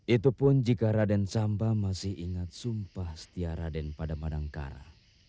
itu pun jika raden samba masih ingat sumpah setia raden pada madangkara